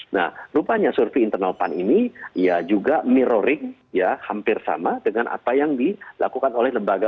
nah rupanya survei internal pan ini ya juga mirroring ya hampir sama dengan apa yang dilakukan oleh lembaga